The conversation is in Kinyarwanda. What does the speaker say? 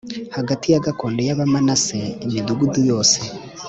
hagati ya gakondo y Abamanase imidugudu yose